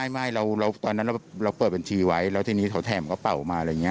ไม่ไม่ไม่เราเราตอนนั้นเราเราเปิดบัญชีไว้แล้วที่นี้เขาแถมก็เปล่ามาอะไรอย่างเงี้ย